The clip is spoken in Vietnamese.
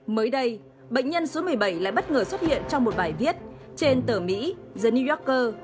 mới đây bệnh nhân số một mươi bảy lại bất ngờ xuất hiện trong một bài viết trên tờ mỹ the new yorker